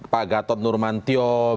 pak gatot nurmantio